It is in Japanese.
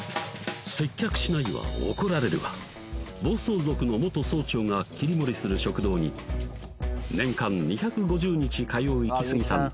接客しないわ怒られるわ暴走族の元総長が切り盛りする食堂に年間２５０日通うイキスギさん